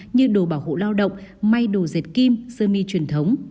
như đồ bảo hộ lao động may đồ diệt kim sơ mi truyền thống